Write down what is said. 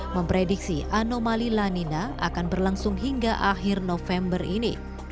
memprediksi anomali lanina akan berlangsung hingga akhir november ini